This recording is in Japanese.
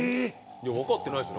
いやわかってないですよ。